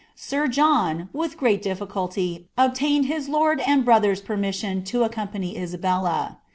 Sir John, with great ditliculty, ob Iftinrd liis .ord and brother's permission to accompany Isabella.